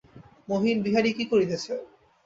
মহিন, বিহারী কী করিতেছে।